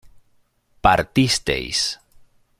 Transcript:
partisteis